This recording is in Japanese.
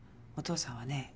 お父さんはね